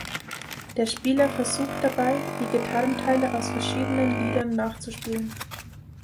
Der Spieler versucht dabei, die Gitarren-Teile aus verschiedenen Liedern nachzuspielen.